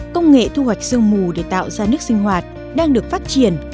công nghệ thu hoạch sương mù để tạo ra nước sinh hoạt đang được phát triển